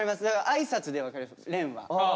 挨拶で分かります廉は。